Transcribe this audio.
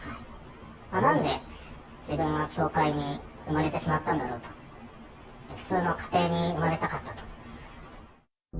なんで自分は教会に生まれてしまったんだろうと、普通の家庭に生まれたかったと。